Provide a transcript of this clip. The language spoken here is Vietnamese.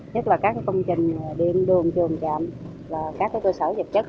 nhất là các công trình đi đường trường trạm các cơ sở vật chất